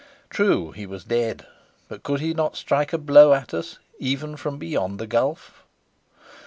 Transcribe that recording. True, he was dead; but could he not strike a blow at us even from beyond the gulf?